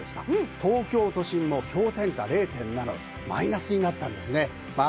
東京都心も氷点下０．７度、マイナスになったんです。